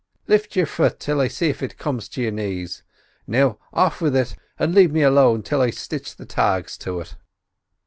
Lift your fut till I see if it comes to your knees. Now off with it, and lave me alone till I stitch the tags to it."